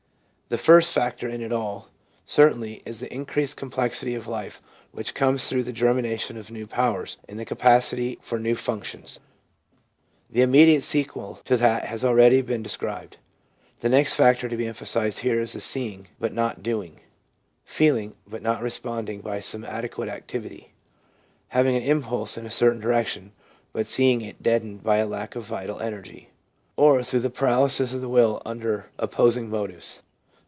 The first factor in it all, certainly, is the increased complexity of life which comes through the germina tion of new powers and the capacity for new functions. The immediate sequel to that has already been de scribed. The next factor to be emphasised here is the seeing, but not doing ; feeling, but not responding by some adequate activity ; having an impulse in a certain direction, but seeing it deadened by a lack of vital energy, or through the paralysis of the will under opposing motives.